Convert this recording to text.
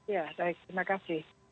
ya baik terima kasih